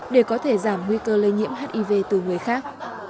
để có thể giảm nguy cơ lây nhiễm hiv từ người khác